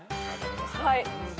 はい。